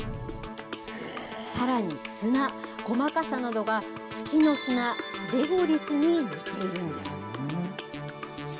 さらに砂、細かさなどが月の砂レゴリスに似ているんです。